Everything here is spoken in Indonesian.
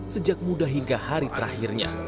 sejak muda hingga hari terakhirnya